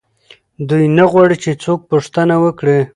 دوی نه غواړي چې څوک پوښتنه وکړي.